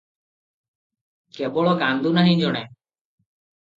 କେବଳ କାନ୍ଦୁ ନାହିଁ ଜଣେ ।